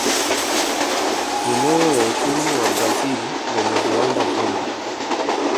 Ni moyo wa uchumi wa Brazil wenye viwanda vingi.